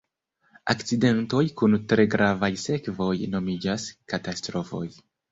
Akcidentoj kun tre gravaj sekvoj nomiĝas katastrofoj.